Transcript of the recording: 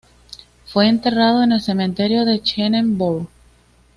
Fue enterrado en el cementerio de Chêne-Bourg.